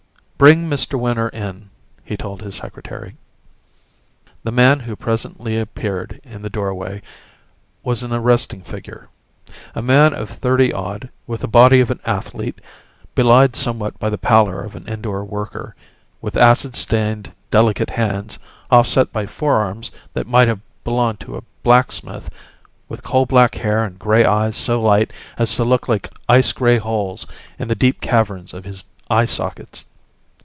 "Bring Mr. Winter in," he told his secretary. The man who presently appeared in the doorway was an arresting figure. A man of thirty odd with the body of an athlete, belied somewhat by the pallor of an indoor worker, with acid stained, delicate hands offset by forearms that might have belonged to a blacksmith, with coal black hair and gray eyes so light as to look like ice gray holes in the deep caverns of his eye sockets.